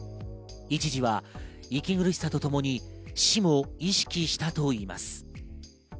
一時は息苦しさとともに死も意識したといいます。